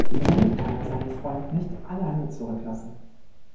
Somit kann er seinen Freund nicht alleine zurücklassen.